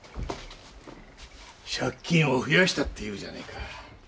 借金を増やしたっていうじゃねえか。